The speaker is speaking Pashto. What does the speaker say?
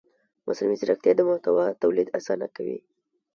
مصنوعي ځیرکتیا د محتوا تولید اسانه کوي.